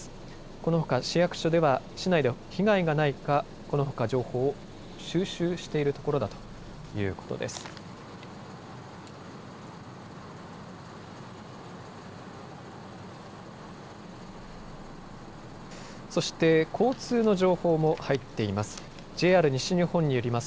このほか市役所では市内では被害がないかこのほか情報を収集しているところだということです。